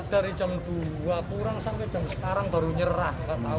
dari jam dua kurang sampai jam sekarang baru nyerah